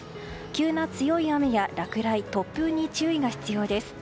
急な強い雨や落雷、突風に注意が必要です。